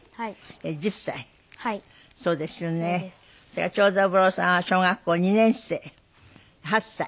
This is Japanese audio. それから長三郎さんは小学校２年生８歳。